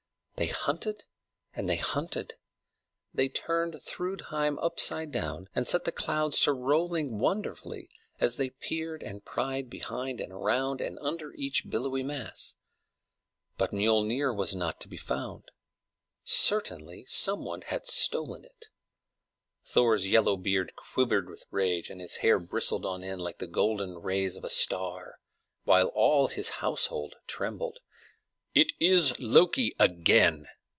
They hunted and they hunted; they turned Thrudheim upside down, and set the clouds to rolling wonderfully, as they peeped and pried behind and around and under each billowy mass. But Miölnir was not to be found. Certainly, some one had stolen it. Thor's yellow beard quivered with rage, and his hair bristled on end like the golden rays of a star, while all his household trembled. "It is Loki again!"